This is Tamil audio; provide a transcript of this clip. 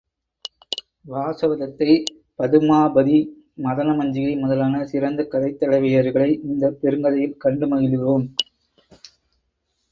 வாசவதத்தை, பதுமாபதி, மதனமஞ்சிகை முதலான சிறந்த கதைத் தலைவியர்களை இந்தப் பெருங்கதையில் கண்டு மகிழ்கிறோம்.